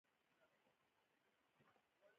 ایا؛ ته تږی شوی یې؟